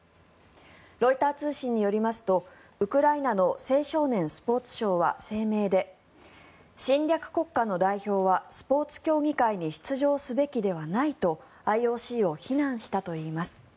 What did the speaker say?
ロイター通信によりますとウクライナの青少年・スポーツ省は声明で侵略国家の代表はスポーツ競技会に出場すべきではないとＩＯＣを非難したといいます。